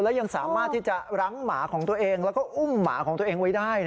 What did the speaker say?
และยังสามารถที่จะรั้งหมาของตัวเองแล้วก็อุ้มหมาของตัวเองไว้ได้